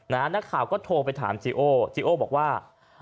นักข่าวก็โทรไปถามจีโอจีโอ้บอกว่า